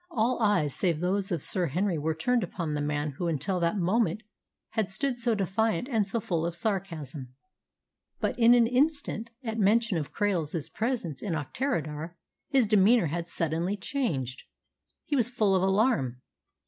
All eyes save those of Sir Henry were turned upon the man who until that moment had stood so defiant and so full of sarcasm. But in an instant, at mention of Krail's presence in Auchterarder, his demeanour had suddenly changed. He was full of alarm.